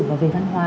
và về văn hóa